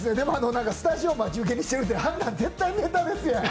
スタジオを待ち受けにしてるって、あんなん絶対ネタですやん。